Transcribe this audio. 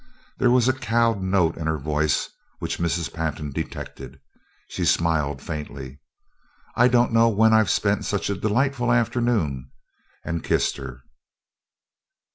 There was a cowed note in her voice which Mrs. Pantin detected. She smiled faintly. "I don't know when I've spent such a delightful afternoon," and kissed her.